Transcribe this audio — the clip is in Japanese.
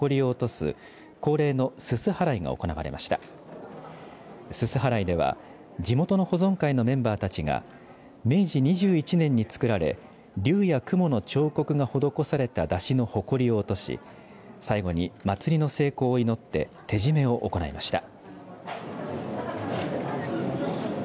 すす払いでは地元の保存会のメンバーたちが明治２１年につくられ竜や雲の彫刻が施された山車のほこりを落とし最後に祭りの成功を祈って手締めを行いました。